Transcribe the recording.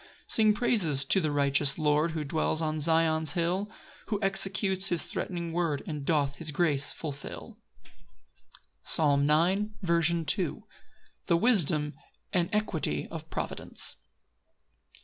5 Sing praises to the righteous Lord, Who dwells on Zion's hill, Who executes his threatening word, And doth his grace fulfil. Psalm 9:2. 10. Second Part. The wisdom and equity of providence.